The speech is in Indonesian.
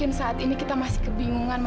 tadi tiba tiba si pit membebaskan ibu